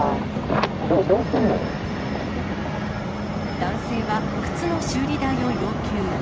男性は、靴の修理代を要求。